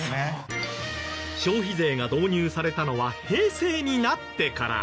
消費税が導入されたのは平成になってから。